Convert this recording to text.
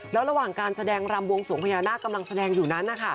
แล้วระหว่างการแสดงรำวงสวงพญานาคกำลังแสดงอยู่นั้น